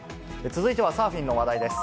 続いてはサーフィンの話題です。